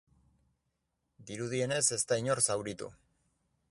Dirudienez, ez da inor zauritu.